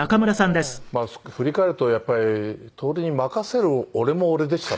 まあ振り返るとやっぱり徹に任せる俺も俺でしたね。